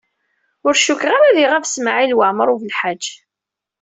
Ur cukkteɣ ara ad iɣab Smawil Waɛmaṛ U Belḥaǧ.